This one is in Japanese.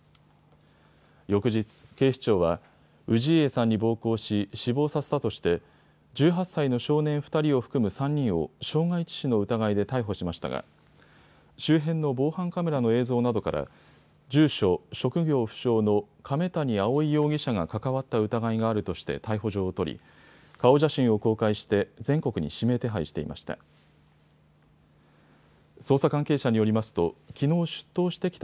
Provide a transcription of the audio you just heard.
翌日、警視庁は氏家さんに暴行し死亡させたとして１８歳の少年２人を含む３人を傷害致死の疑いで逮捕しましたが周辺の防犯カメラの映像などから住所・職業不詳の亀谷蒼容疑者が関わった疑いがあるとして逮捕状を取り顔写真を公開して全国に指名手配していました。